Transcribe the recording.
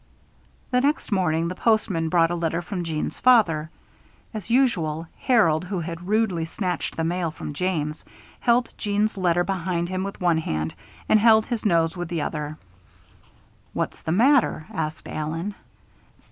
The next morning the postman brought a letter from Jeanne's father. As usual, Harold, who had rudely snatched the mail from James, held Jeanne's letter behind him with one hand and held his nose with the other. "What's the matter?" asked Allen.